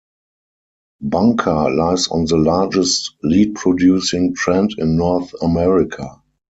Bunker lies on the largest lead-producing trend in North America.